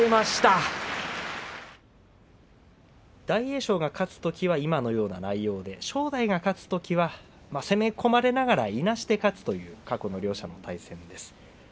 大栄翔が勝つときは今のような内容で正代が勝つときは攻め込まれながら、いなして勝つという過去の両者の対戦です。